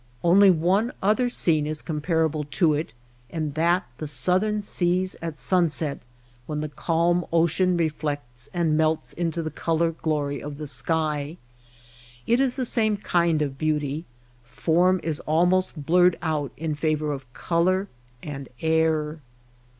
Only one other scene is comparable to it, and that the southern seas at sunset when the calm ocean reflects and melts into the color glory of the sky. It is the same kind of beauty. Form is almost blurred out in favor of color and air.